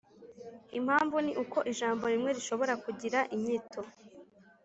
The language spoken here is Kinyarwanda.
Impamvu ni uko ijambo rimwe rishobora kugira inyito